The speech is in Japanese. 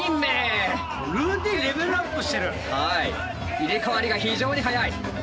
入れ代わりが非常に速い。